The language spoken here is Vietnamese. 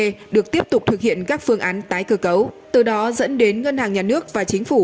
ev được tiếp tục thực hiện các phương án tái cơ cấu từ đó dẫn đến ngân hàng nhà nước và chính phủ